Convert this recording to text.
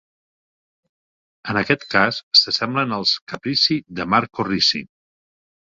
En aquest cas s'assemblen als capricci de Marco Ricci.